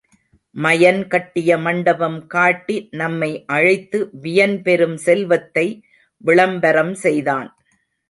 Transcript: மயன் கட்டிய மண்டபம் காட்டி நம்மை அழைத்து வியன் பெரும் செல்வத்தை விளம்பரம் செய்தான்.